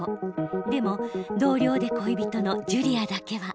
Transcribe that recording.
でも同僚で恋人のジュリアだけは。